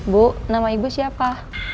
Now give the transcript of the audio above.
bu nama ibu siapa